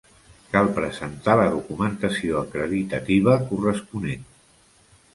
Cal presentar la documentació acreditativa corresponent.